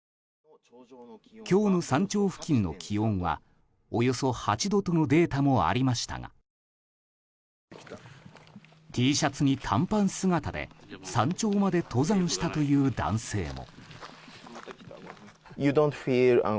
今日の山頂付近の気温はおよそ８度とのデータもありましたがＴシャツに短パン姿で山頂まで登山したという男性も。